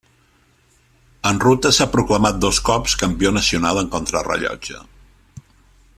En ruta s'ha proclamat dos cops campió nacional en contrarellotge.